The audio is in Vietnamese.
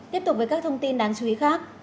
tiếp tục với các thông tin đáng chú ý khác